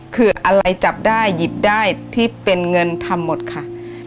คืออะไรจับได้หยิบได้ที่เป็นเงินทำหมดค่ะ